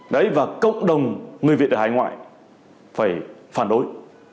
đấy và cộng đồng người việt ở hải ngoại phải phản đối